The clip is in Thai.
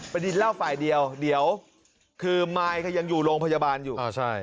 ประเด็นเล่าฝ่ายเดียวเดี๋ยวคือมายก็ยังอยู่โรงพยาบาลอยู่